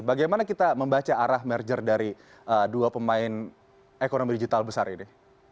bagaimana kita membaca arah merger dari dua pemain ekonomi digital besar ini